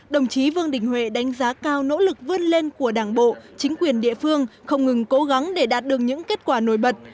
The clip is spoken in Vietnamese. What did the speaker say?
đồng chí vương đình huệ đánh giá cao nỗ lực vươn lên của đảng bộ chính quyền địa phương không ngừng cố gắng để đạt được những kết quả nổi bật